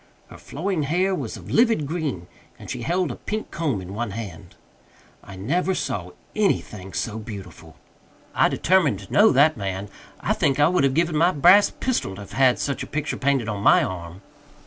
Her flowing hair was of livid green, and she held a pink comb in one hand. I never saw anything so beautiful. I determined to know that man. I think I would have given my brass pistol to have had such a picture painted on my arm.